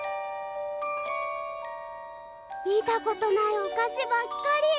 見たことないお菓子ばっかり！